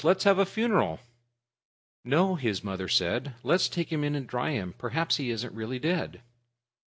Let's have a funeral." "No," said his mother, "let's take him in and dry him. Perhaps he isn't really dead."